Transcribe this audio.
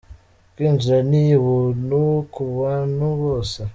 Kwinjira ni ubuntu ku bantu bose.